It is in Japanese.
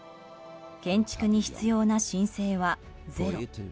建築に必要な申請はゼロ。